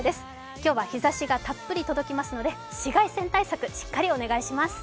今日は、日ざしがたっぷり届きますので、紫外線対策しっかりお願いします。